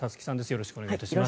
よろしくお願いします。